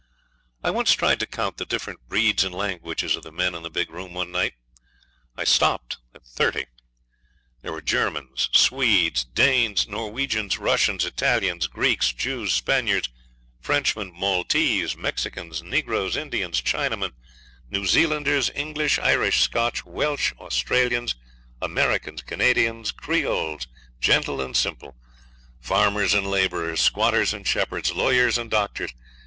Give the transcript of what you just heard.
I once tried to count the different breeds and languages of the men in the big room one night. I stopped at thirty. There were Germans, Swedes, Danes, Norwegians, Russians, Italians, Greeks, Jews, Spaniards, Frenchmen, Maltese, Mexicans, Negroes, Indians, Chinamen, New Zealanders, English, Irish, Scotch, Welsh, Australians, Americans, Canadians, Creoles, gentle and simple, farmers and labourers, squatters and shepherds, lawyers and doctors.